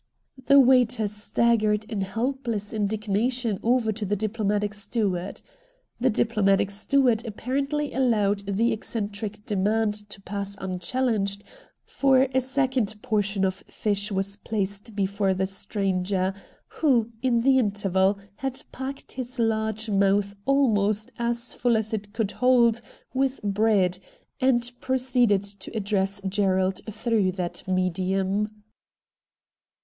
The waiter staggered in helpless indignation over to the diplomatic steward. The diplomatic steward apparently allowed the eccentric demand to pass unchallenged, for a second portion of fish was placed before the stranger. THE MAN FROM AFAR yj who, in the interval, had packed his large mouth almost as full as it could hold with bread, and proceeded to address Gerald through that medium.